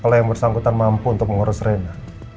kalau yang bersangkutan mampu untuk mengurus rena